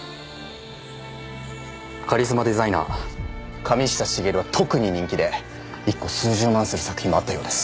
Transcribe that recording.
カリスマデザイナー神下茂は特に人気で１個数十万する作品もあったようです。